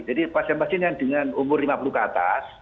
jadi pasien pasien yang dengan umur lima puluh ke atas